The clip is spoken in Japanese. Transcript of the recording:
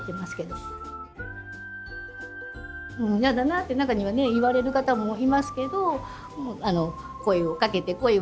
嫌だなって中には言われる方もいますけど声をかけて声をかけて。